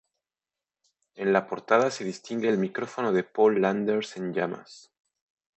En la portada se distingue el micrófono de Paul Landers en llamas.